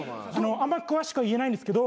あんま詳しくは言えないんですけど。